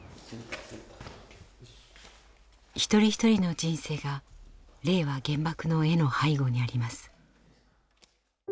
一人一人の人生が「令和原爆の絵」の背後にあります。